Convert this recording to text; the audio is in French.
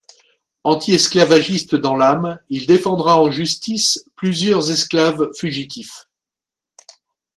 Anti-esclavagiste dans l'âme, il défendra en justice plusieurs esclaves fugitifs.